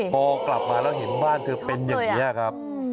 พอกลับมาแล้วเห็นบ้านเธอเป็นอย่างนี้ครับ